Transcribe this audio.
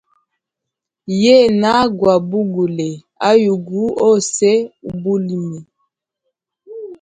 Yena gwa bugule ayugu ose ubulimi.